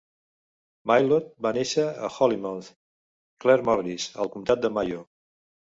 Mylott va néixer a Hollymount, Claremorris, al comtat de Mayo.